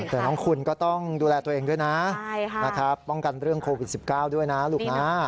แต่น้องคุณก็ต้องดูแลตัวเองด้วยนะป้องกันเรื่องโควิด๑๙ด้วยนะลูกนะ